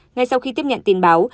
ngay sau khi tiếp nhận tin báo